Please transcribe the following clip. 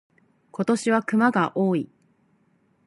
今年は熊が多い。